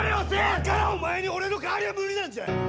だから、お前に俺の代わりは無理なんじゃ！